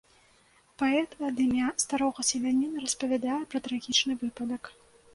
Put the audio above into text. Паэт ад імя старога селяніна распавядае пра трагічны выпадак.